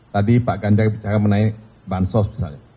tadi pak ganjar bicara mengenai bansos misalnya